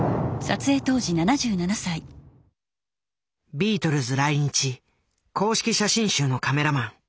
ビートルズ来日公式写真集のカメラマン。